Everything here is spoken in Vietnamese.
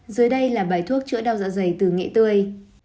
dưới đây là bài thuốc chữa đau dạ dày từ nghệ tươi